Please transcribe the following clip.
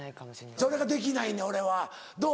それができないねん俺はどう？